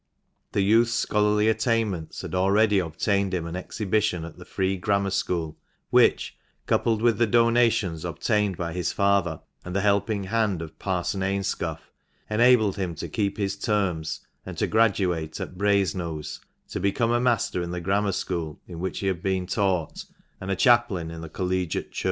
The youth's scholarly attainments had already obtained him an exhibition at the Free Grammar School, which, coupled with the donations obtained by his father and the helping hand of Parson Ainscough, enabled him to keep his terms and to graduate at Brazenose, to become a master in the grammar school in which he had been taught, and a chaplain in the Collegiate Church.